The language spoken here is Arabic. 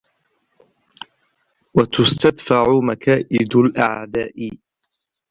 وَتُسْتَدْفَعُ مَكَائِدُ الْأَعْدَاءِ